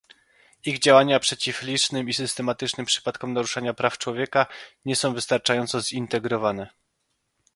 Ich działania przeciw licznym i systematycznym przypadkom naruszania praw człowieka nie są wystarczająco zintegrowane